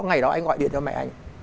ngày đó anh gọi điện cho mẹ anh